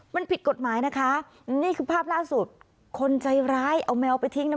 มันผิดกฎหมายนะคะนี่คือภาพล่าสุดคนใจร้ายเอาแมวไปทิ้งนะ